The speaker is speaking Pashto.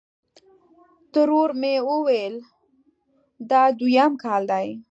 ترور مې ویل: دا دویم کال دی.